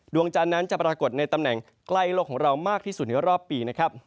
ดวงจันทร์นั้นจะปรากฏในตำแหน่งใกล้โลกของเรามากที่สุดในรอบปีนะครับ